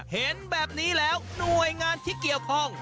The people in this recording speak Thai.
เห็นแบบนี้แล้วหน่วยงานที่เกี่ยวข้อง